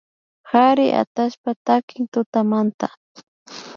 Kari atallpa takik tutamanta